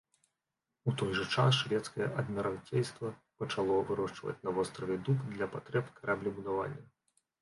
У той жа час шведскае адміралцейства пачало вырошчваць на востраве дуб для патрэб караблебудавання.